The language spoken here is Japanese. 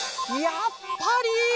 やっぱり！